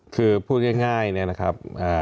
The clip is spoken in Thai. คือพูดง่ายนะครับ